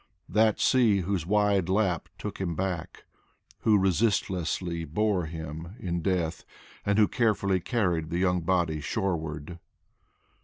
That sea whose wide lap took him back, who resistlessly bore him In death, and who carefully carried the young body shore ward.